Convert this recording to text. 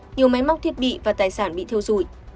nhiều máy móc thiết bị và tài sản bị theo dùi